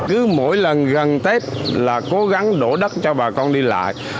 cứ mỗi lần gần tết là cố gắng đổ đất cho bà con đi lại